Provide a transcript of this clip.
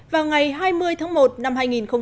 vào ngày hai mươi tháng một năm hai nghìn hai mươi